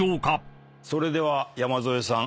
それでは山添さん